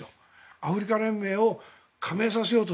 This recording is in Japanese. アフリカ連盟を加盟させようと。